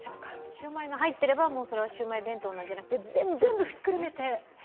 シウマイが入っていればそれはシウマイ弁当なんじゃなくて、全部なんですね。